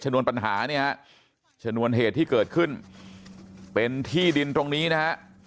นวนปัญหาเนี่ยฮะชนวนเหตุที่เกิดขึ้นเป็นที่ดินตรงนี้นะฮะ